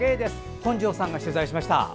本庄さんが取材しました。